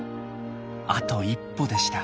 あと一歩でした。